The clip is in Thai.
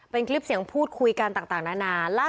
เป็นคลิปเสียงพูดคุยกันต่างนานา